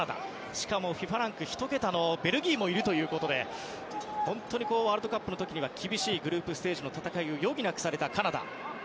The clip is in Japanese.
しかもＦＩＦＡランク１桁のベルギーもいるということで本当にワールドカップの時には厳しいグループステージの戦いを余儀なくされたカナダ。